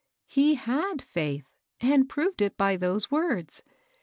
" He had faith, and proved it by those words.